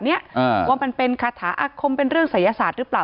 เขียนอะไรลักษณะแบบเนี้ยเออว่ามันเป็นคาถาอัคคมเป็นเรื่องศัยยศาสตร์หรือเปล่า